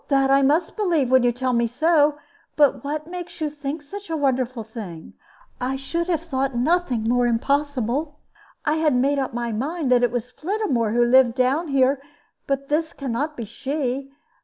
"That I must believe, when you tell me so. But what makes you think such a wonderful thing? I should have thought nothing more impossible. I had made up my mind that it was Flittamore who lived down here; but this can not be she.